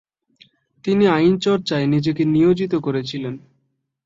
তিনি আইন চর্চায় নিজেকে নিয়োজিত করেছিলেন ।